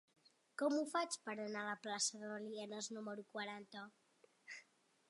Com ho faig per anar a la plaça de Belianes número quaranta?